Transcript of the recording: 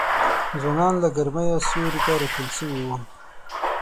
ځوانان له ګرمیه سیوري ته راټول سوي وه